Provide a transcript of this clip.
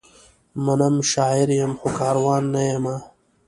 منم، شاعر یم؛ خو کاروان نه یمه